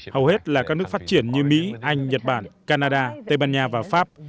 hầu hết là các nước phát triển như mỹ anh nhật bản canada tây ban nha và pháp